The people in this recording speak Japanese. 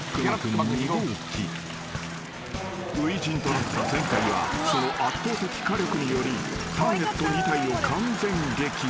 ［初陣となった前回はその圧倒的火力によりターゲット２体を完全撃破］